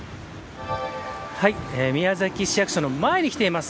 宮崎市役所の前に来ています。